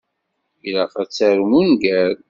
Ilaq ad tarum ungal.